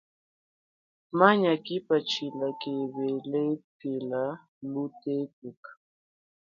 Manya kipatshila keba lekela lutetuku.